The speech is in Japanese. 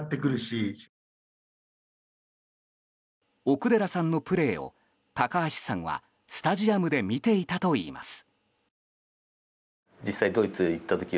奥寺さんのプレーを高橋さんはスタジアムで見ていたといいます。